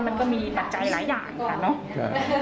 มันก็มีปัจจัยหลายอย่างค่ะเนาะ